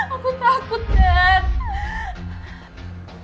aku takut dad